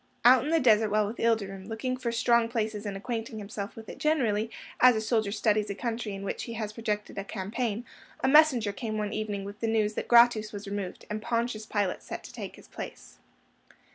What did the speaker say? Out in the desert while with Ilderim, looking for strong places and acquainting himself with it generally, as a soldier studies a country in which he has projected a campaign, a messenger came one evening with the news that Gratus was removed, and Pontius Pilate sent to take his place.